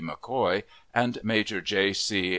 McCoy, and Major J. C.